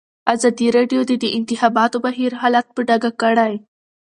ازادي راډیو د د انتخاباتو بهیر حالت په ډاګه کړی.